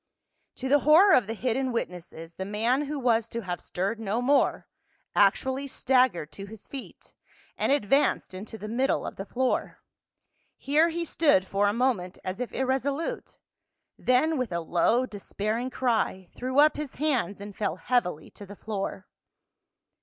To the horror of the hidden witnesses, the man who was to have stirred no more actually staggered to his feet and advanced into the middle of the floor ; here he stood for a moment as if irresolute, then with a low despairing cry threw up his hands and fell heavily to the floor.